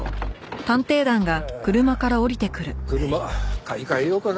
車買い替えようかな。